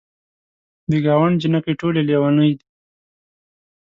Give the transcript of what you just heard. د ګاونډ جینکۍ ټولې لیونۍ دي.